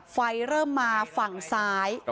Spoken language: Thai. ไฟเริ่มมาฝั่งซ้าย